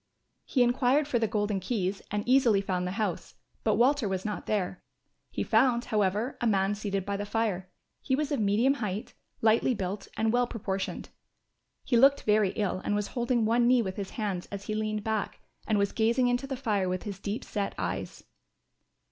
He enquired for the Golden Keys and easily found the house, but Walter was not there. He found, however, a man seated by the fire; he was of medium height, lightly built and well proportioned. He looked very ill and was holding one knee with his hands as he leaned back, and was gazing into the fire with his deep set eyes.